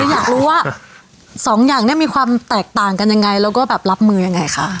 อยากรู้ว่าสองอย่างนี้มีความแตกต่างกันยังไงแล้วก็แบบรับมือยังไงคะ